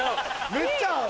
めっちゃ合う。